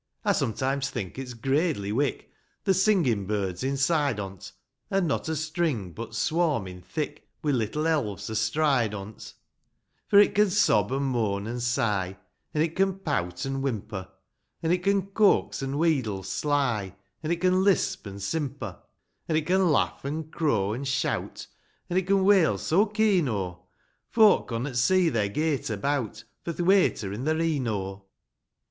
I sometimes think it's gradely wick ; There's singin' brids inside on't ; An' not a string but's swarmin' thick Wi' little elves astride on't ! TO My OLD FIDDLE. HI. For it can sob, an' moan, an' sigh, An* it can pout an' whimper ; An' it can coax an' wheedle sly, An' it can lisp and simper : An' it can laugh, an' crow, an' shout, An' it can wail so keen, oh, Folk connot see their gate about For th' wayter i' their e'en, oh